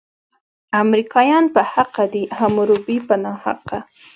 امریکایان په حقه دي، حموربي په ناحقه.